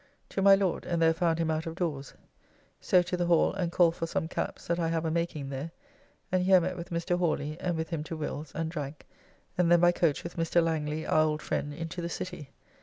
To my Lord, and there found him out of doors. So to the Hall and called for some caps that I have a making there, and here met with Mr. Hawley, and with him to Will's and drank, and then by coach with Mr. Langley our old friend into the city.